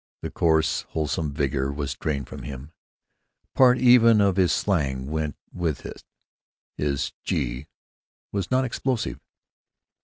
The coarse, wholesome vigor was drained from him; part even of his slang went with it; his "Gee!" was not explosive.